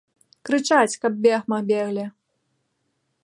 Крычаць, каб бегма беглі.